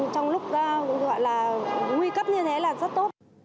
trong lúc gọi là nguy cấp như thế là rất tốt